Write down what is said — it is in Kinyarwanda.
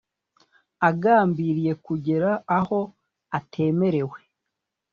agambiriye kugera aho atemerewe